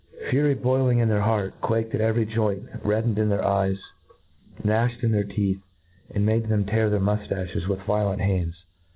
Fury boiling . in their hearts, quaked in every joint, reddened in their eyes, gnafhed in their teeth, and made them tear their muftachoes with violent hands.